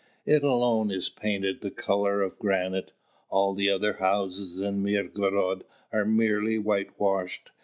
It alone is painted the colour of granite. All the other houses in Mirgorod are merely whitewashed.